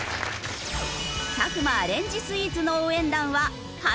作間アレンジスイーツの応援団は橋本！